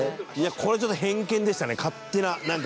これ、ちょっと偏見でしたね勝手な。